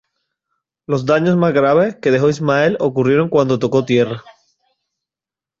Los daños más graves que dejó Ismael ocurrieron cuando tocó tierra.